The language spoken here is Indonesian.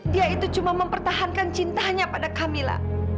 dia itu cuma mempertahankan cintanya pada kamila